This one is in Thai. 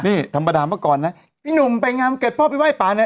นี่ธรรมดาเมื่อก่อนนะพี่หนุ่มไปงานเกิดพ่อไปไห้ป่าเนี่ย